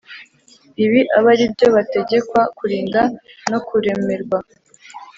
Ibi abe ari byo bategekwa kurinda no kurem rwa